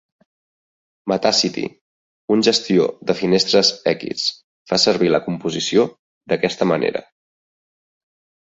Metacity, un gestor de finestres X fa servir la composició d'aquesta manera.